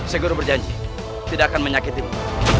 seguro berjanji tidak akan menyakitimu